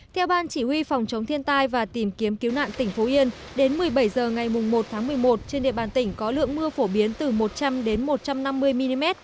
theo ban chỉ huy phòng chống thiên tai và tìm kiếm cứu nạn tỉnh phú yên đến một mươi bảy h ngày một tháng một mươi một trên địa bàn tỉnh có lượng mưa phổ biến từ một trăm linh đến một trăm năm mươi mm